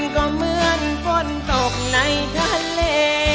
ก็เหมือนฝนตกในทะเล